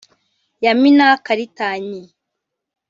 Yamina Karitanyi